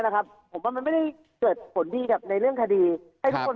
นะครับผมว่ามันไม่ได้เกิดผลดีกับในเรื่องคดีให้ทุกคน